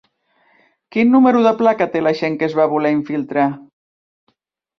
Quin número de placa té l'agent que es va voler infiltrar?